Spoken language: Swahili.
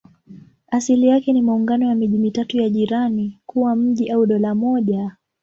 Asili yake ni maungano ya miji mitatu ya jirani kuwa mji au dola moja.